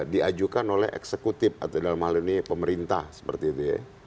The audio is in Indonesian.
diajukan oleh eksekutif atau dalam hal ini pemerintah seperti itu ya